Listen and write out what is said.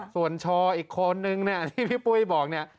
ส่วนชออีกคนนึงเนี่ยที่พี่ปุ้ยบอกเนี่ย